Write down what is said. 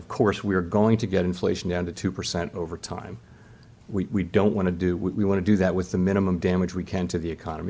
kita ingin melakukan itu dengan minimum kecederaan yang bisa kita lakukan untuk ekonomi